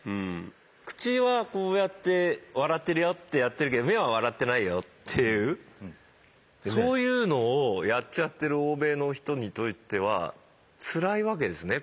口はこうやって笑ってるよってやってるけど目は笑ってないよっていうそういうのをやっちゃってる欧米の人にとってはつらいわけですね